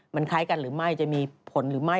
มันคล้ายกันหรือไม่จะมีผลหรือไม่